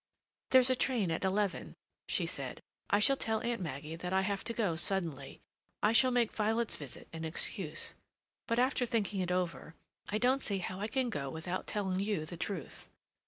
"There's a train at eleven," she said. "I shall tell Aunt Maggie that I have to go suddenly.... I shall make Violet's visit an excuse. But, after thinking it over, I don't see how I can go without telling you the truth."